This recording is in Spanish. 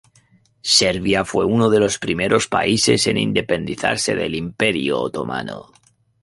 Serbia fue uno de los primeros países en independizarse del Imperio otomano.